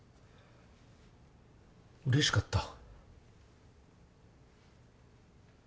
うれしかった。